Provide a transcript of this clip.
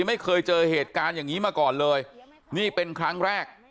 ไม่เคยเจอเหตุการณ์อย่างนี้มาก่อนเลยนี่เป็นครั้งแรก